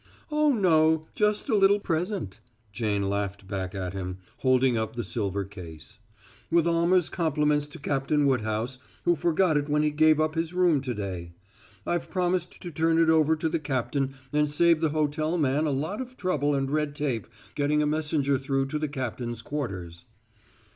"Oh, no, just a little present," Jane laughed back at him, holding up the silver case. "With Almer's compliments to Captain Woodhouse, who forgot it when he gave up his room to day. I've promised to turn it over to the captain and save the hotel man a lot of trouble and red tape getting a messenger through to the captain's quarters."